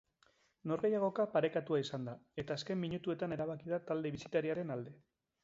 Norgehiagoka parekatua izan da, eta azken minutuetan erabaki da talde bisitariaren alde.